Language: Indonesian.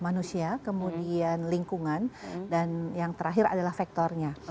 manusia kemudian lingkungan dan yang terakhir adalah faktornya